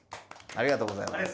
ありがとうございます。